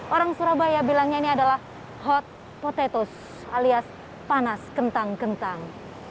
orang surabaya bilangnya ini adalah hot potetos alias panas kentang kentang